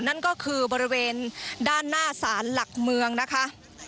นั่นก็คือบริเวณด้านหน้าศาลหลักเมืองนะคะ